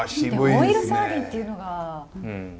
オイルサーディンっていうのがいい。